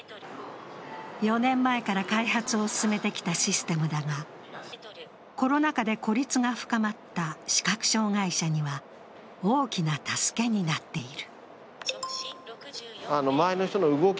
４年前から開発を進めてきたシステムだがコロナ禍で孤立が深まった視覚障害者には、大きな助けになっている。